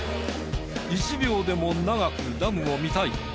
１秒でも長くダムを見たい！